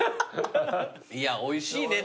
いやおいしいね。